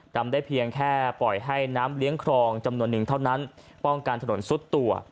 ดำได้เพียงแค่ปล่อยให้น้ำเลี้ยงครองจำนวนหนึ่งเท่านั้นป้องกันถนนซุดตัว